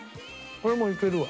これもいけるわ。